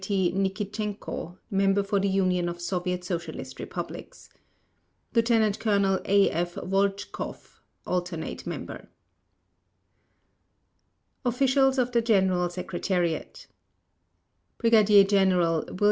T. NIKITCHENKO, Member for the Union of Soviet Socialist Republics LIEUTENANT COLONEL A. F. VOLCHKOV, Alternate Member OFFICIALS OF THE GENERAL SECRETARIAT BRIGADIER GENERAL WM.